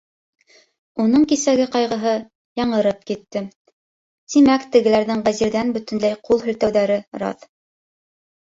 Уның кисәге ҡайғыһы яңырып китте: тимәк, тегеләрҙең Вәзирҙән бөтөнләй ҡул һелтәүҙәре раҫ.